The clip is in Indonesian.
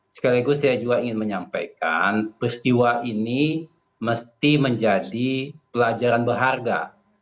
sekaligus saya juga ingin menyampaikan peristiwa ini mesti menjadi pelajaran berharga